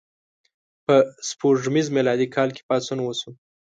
په سپوږمیز میلادي کال کې پاڅون وشو.